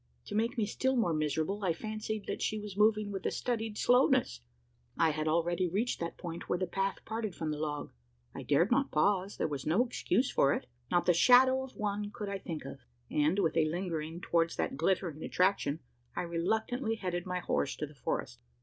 To make me still more miserable, I fancied that she was moving with a studied slowness! I had already reached that point, where the path parted from the log. I dared not pause: there was no excuse for it. Not the shadow of one could I think of; and, with a lingering towards that glittering attraction, I reluctantly headed my horse to the forest.